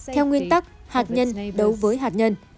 theo nguyên tắc hạt nhân đấu với hạt nhân